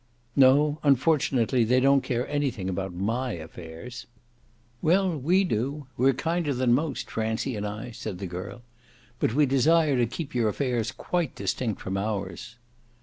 "No, unfortunately they don't care anything about MY affairs." "Well, we do: we're kinder than most, Francie and I," said the girl. "But we desire to keep your affairs quite distinct from ours."